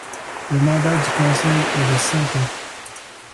Le mandat du conseil est de cinq ans.